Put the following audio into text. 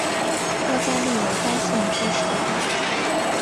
高加力为该县之首府。